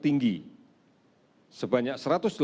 itu tinggi sebanyak satu ratus delapan puluh tiga